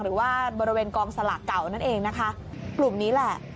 หรือว่าบริเวณกองสลากเก่านั่นเองนะคะกลุ่มนี้แหละ